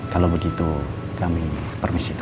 kalau begitu kami permisi